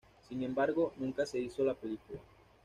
Sin embargo, nunca se hizo la película.